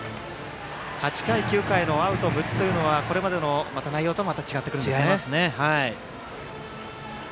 ８回、９回のアウト６つはこれまでの内容とはまた違ってくるんですね。